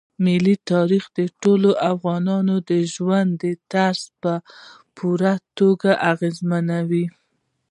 ملي تاریخ د ټولو افغانانو د ژوند طرز هم په پوره توګه اغېزمنوي.